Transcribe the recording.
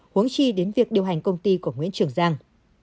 huống chi đến việc điều hành công ty của nguyễn trường giang